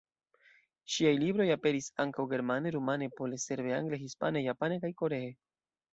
Ŝiaj libroj aperis ankaŭ germane, rumane, pole, serbe, angle, hispane, japane kaj koree.